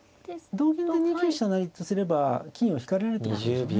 同銀で２九飛車成とすれば金を引かれるってことでしょうね。